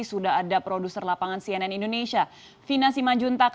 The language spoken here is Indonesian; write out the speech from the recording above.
sudah ada produser lapangan cnn indonesia vina simanjuntak